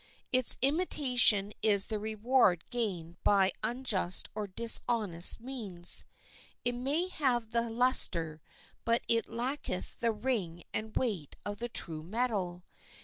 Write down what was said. Its imitation is the reward gained by unjust or dishonest means. It may have the luster, but it lacketh the ring and weight of the true metal.